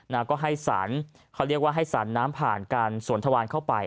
แล้วก็ให้สารเขาเรียกว่าให้สารน้ำผ่านการสวนทวารเข้าไป